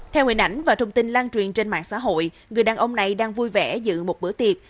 theo nguyện ảnh và thông tin lan truyền trên mạng xã hội người đàn ông này đang vui vẻ dự một bữa tiệc